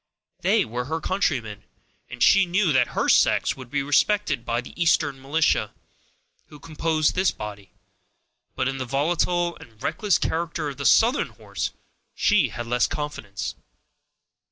They were her countrymen, and she knew that her sex would be respected by the Eastern militia, who composed this body; but in the volatile and reckless character of the Southern horse she had less confidence.